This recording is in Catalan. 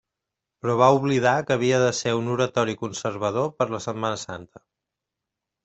Però va oblidar que havia de ser un oratori conservador per la Setmana Santa.